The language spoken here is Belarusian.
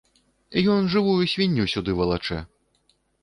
Ён жывую свінню сюды валачэ!